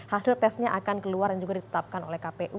hasil tesnya akan keluar dan juga ditetapkan oleh kpu